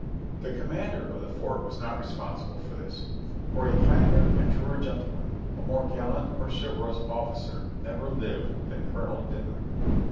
The commander of the fort was not responsible for this, for a kinder and truer gentleman, a more gallant or chivalrous officer never lived than Colonel Dimmock.